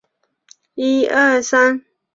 它有非常丰富和古老的民歌和故事传统。